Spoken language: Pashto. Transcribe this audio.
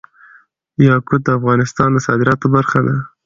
یاقوت د افغانستان د صادراتو برخه ده.